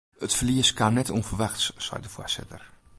It ferlies kaam net ûnferwachts, seit de foarsitter.